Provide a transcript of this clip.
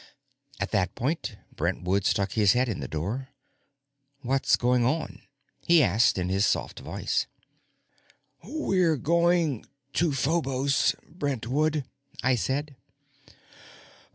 At that point, Brentwood stuck his head in the door. "What's going on?" he asked in his soft voice. "We're going on to Phobos, Brentwood," I said.